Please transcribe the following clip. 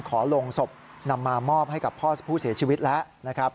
ลงศพนำมามอบให้กับพ่อผู้เสียชีวิตแล้วนะครับ